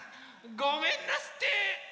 ごめんなすって！